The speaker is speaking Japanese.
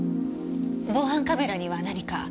防犯カメラには何か？